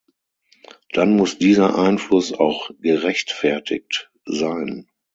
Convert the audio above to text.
Dann muss dieser Einfluss auch gerechtfertigt sein.